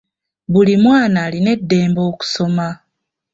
Buli mwana alina eddembe okusoma.